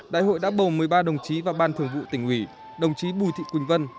đại hội đã bầu một mươi ba đồng chí vào ban thường vụ tỉnh ủy đồng chí bùi thị quỳnh vân